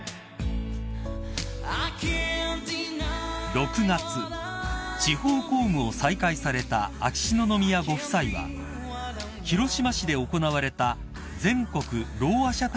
［６月地方公務を再開された秋篠宮ご夫妻は広島市で行われた全国ろうあ者大会にご出席］